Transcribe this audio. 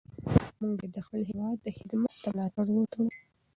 موږ باید د خپل هېواد خدمت ته ملا وتړو.